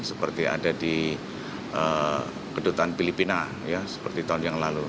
seperti ada di kedutaan filipina seperti tahun yang lalu